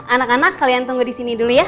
anak anak kalian tunggu di sini dulu ya